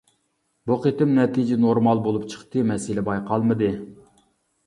بۇ قېتىم نەتىجە نورمال بولۇپ چىقتى، مەسىلە بايقالمىدى.